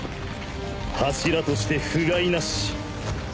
柱としてふがいなし。